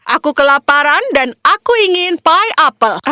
aku kelaparan dan aku ingin pie apple